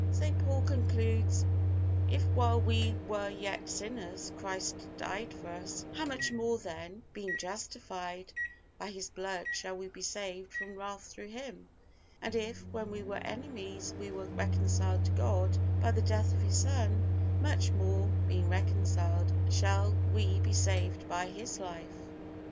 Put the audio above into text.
St. Paul concludes: "If while we were yet sinners Christ died for us, how much more then, being justified by His blood, shall we be saved from wrath through Him; and if, when we were enemies, we were reconciled to God by the death of His Son, much more, being reconciled, shall we be saved by His life."